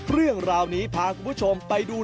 เรื่องราวนี้พาคุณผู้ชมไปดู